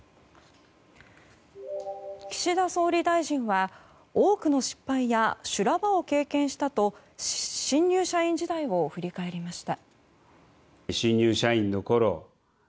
岸田総理大臣は、多くの失敗や修羅場を経験したと新入社員時代を振り返りました。